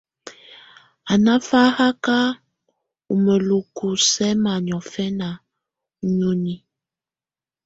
Á ná fáhaká ú mǝ́luku sɛ́ma niɔ̀fɛna ú nìóni.